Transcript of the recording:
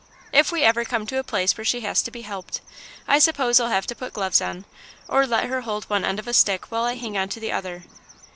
If we ever come to a place where she has to be helped, I suppose I'll have to put gloves on, or let her hold one end of a stick while I hang on to the other.